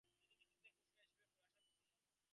তিনি কৃত্বিত্বের পুরস্কার হিসেবে খোরাসানের গভর্নর হন।